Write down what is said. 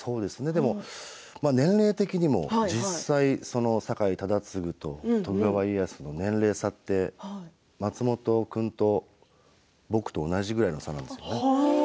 でも年齢的にも実際酒井忠次と徳川家康の年齢差って松本君と僕と同じぐらいの差なんですよね。